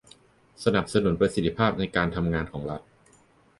สนับสนุนประสิทธิภาพการทำงานของรัฐ